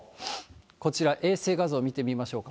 こちら、衛星画像見てみましょうか。